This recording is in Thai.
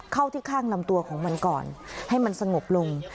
เข้าที่ข้างลำตัวของมันก่อนให้มันสงบลง